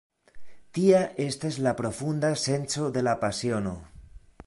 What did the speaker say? Tia estas la profunda senco de la pasiono.